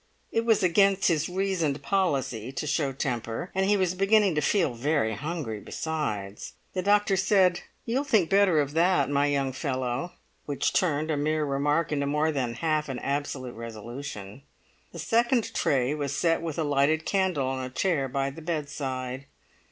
It was against his reasoned policy to show temper, and he was beginning to feel very hungry besides. The doctor said, "You'll think better of that, my young fellow," which turned a mere remark into more than half an absolute resolution. The second tray was set with a lighted candle on a chair by the bedside.